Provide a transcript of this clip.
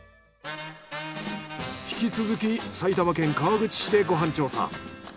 引き続き埼玉県川口市でご飯調査。